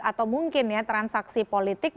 atau mungkin ya transaksi politik